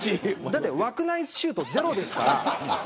だって枠内シュート、ゼロですから。